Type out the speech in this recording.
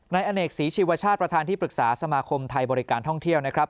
นายอเนกศรีชีวชาติประธานที่ปรึกษาสมาคมไทยบริการท่องเที่ยวนะครับ